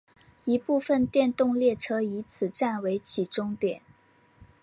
一部分电动列车以此站为起终点。